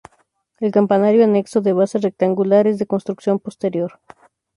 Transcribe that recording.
El campanario anexo, de base rectangular, es de construcción posterior.